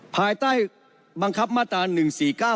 ภายใต้บังคับมาตรา๑๔๙